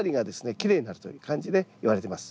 きれいになるという感じでいわれてます。